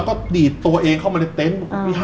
ก็ดีตัวเองเข้ามาตั้ง